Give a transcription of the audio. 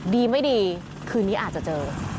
ดีไม่ดีคืนนี้อาจจะเจอ